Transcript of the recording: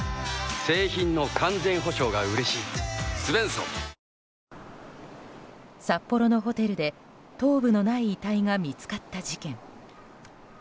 サントリー札幌のホテルで頭部のない遺体が見つかった事件。